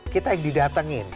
kita yang didatengin